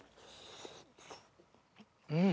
うん！